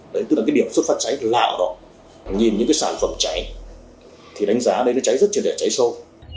đấy tức là cái điểm xuất phát cháy lạo đó nhìn những cái sản phẩm cháy thì đánh giá đây nó cháy rất chiều để cháy sâu